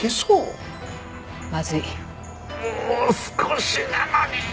もう少しなのに！